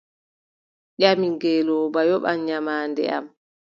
Ƴami ngeelooba: yoɓan nyamaande am.